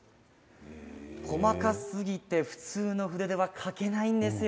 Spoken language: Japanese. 細かすぎて普通の筆では描けないんです。